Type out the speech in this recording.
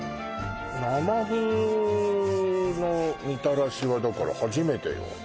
生麩のみたらしはだから初めてよ